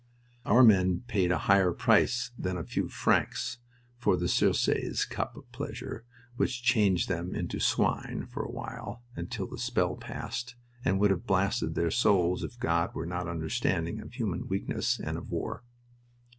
Our men paid a higher price than a few francs for the Circe's cup of pleasure, which changed them into swine for a while, until the spell passed, and would have blasted their souls if God were not understanding of human weakness and of war.